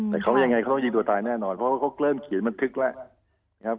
แต่เขาว่ายังไงเขาต้องยิงตัวตายแน่นอนเพราะเขาเริ่มเขียนมันทึกแล้ว